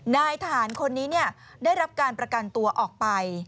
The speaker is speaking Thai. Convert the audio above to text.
นายทหารคนนี้ได้รับการประกันตัวออกไป